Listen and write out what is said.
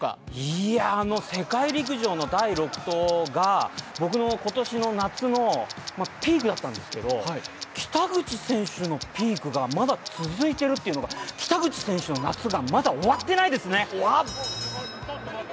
いや、あの世界陸上の第６投が僕の今年の夏のピークだったんですけど北口選手のピークがまだ続いているというのが北口選手の夏がまだ終わってないですね！